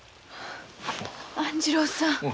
半次郎さん。